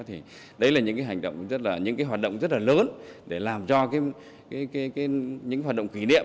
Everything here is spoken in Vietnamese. thì đấy là những cái hoạt động rất là lớn để làm cho những hoạt động kỷ niệm